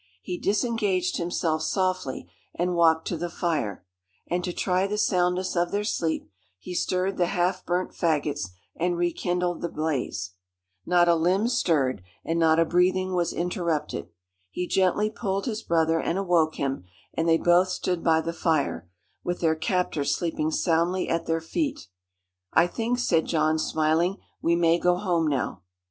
He disengaged himself softly and walked to the fire; and to try the soundness of their sleep, he stirred the half burnt faggots, and rekindled the blaze. Not a limb stirred, and not a breathing was interrupted. He gently pulled his brother and awoke him, and they both stood by the fire, with their captors sleeping soundly at their feet. "I think," said John, smiling, "we may go home now."